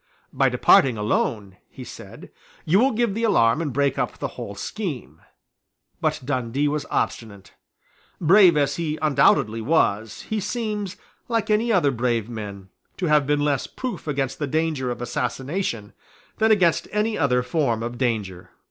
"By departing alone," he said, "you will give the alarm and break up the whole scheme." But Dundee was obstinate. Brave as he undoubtedly was, he seems, like many other brave men, to have been less proof against the danger of assassination than against any other form of danger.